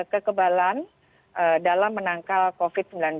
kekebalan dalam menangkal covid sembilan belas